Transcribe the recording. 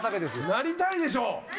なりたいでしょう？